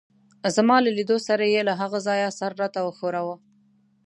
زما له لیدو سره يې له هغه ځایه سر راته وښوراوه.